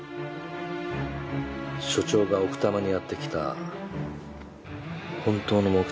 署長が奥多摩にやってきた本当の目的を。